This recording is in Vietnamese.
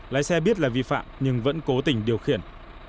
lái xe biết là vi phạm nhưng vẫn cố tình điều khiển